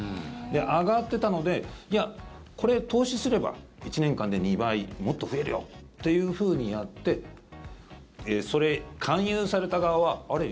上がってたのでこれ、投資すれば１年間で２倍もっと増えるよというふうにやって勧誘された側はあれ？